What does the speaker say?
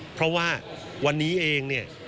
เพราะว่าวันนี้เองเนี่ย